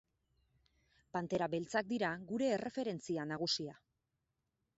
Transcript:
Pantera Beltzak dira gure erreferentzia nagusia.